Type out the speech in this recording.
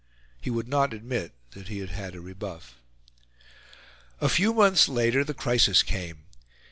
He would not admit that he had had a rebuff. A few months later the crisis came.